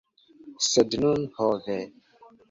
Sed nun, ho ve!